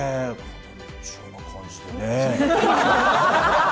そんな感じでね。